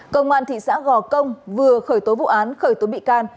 công an thị xã gò công vừa khởi tối vụ án khởi tối bị can